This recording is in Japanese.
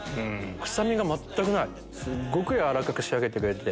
臭みが全くないすごく軟らかく仕上げてくれてて。